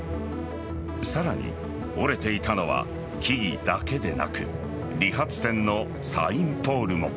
さらに、折れていたのは木々だけでなく理髪店のサインポールも。